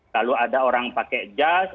kalau ada orang pakai jas